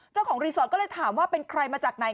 เจ้าของรีสอร์ทก็เลยถามว่าเป็นใครมาจากไหน